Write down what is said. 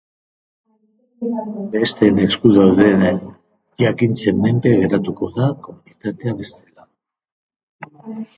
Besteen esku dauden jakintzen menpe geratuko da komunitatea bestela.